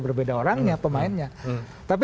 berbeda orangnya pemainnya tapi